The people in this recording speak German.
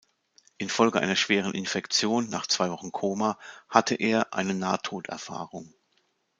Infolge einer schweren Infektion, nach zwei Wochen Koma, hatte er eine Nahtod-Erfahrung.